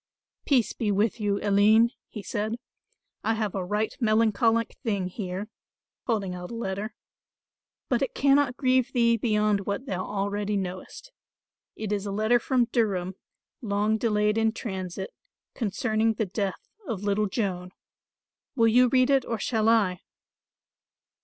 "Peace be with you, Aline," he said. "I have a right melancholic thing here," holding out a letter. "But it cannot grieve thee beyond what thou already knowest. It is a letter from Durham, long delayed in transit, concerning the death of little Joan. Will you read it or shall I?"